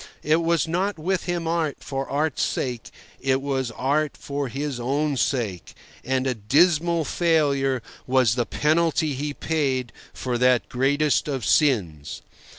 It was not with him art for art's sake: it was art for his own sake; and a dismal failure was the penalty he paid for that greatest of sins.